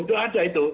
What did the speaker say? itu ada itu